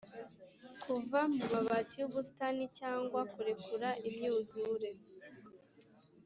kuva mumabati yubusitani, cyangwa kurekura imyuzure?